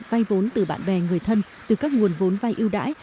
vay vốn từ bạn bè người thân từ các nguồn vốn vay ưu đãi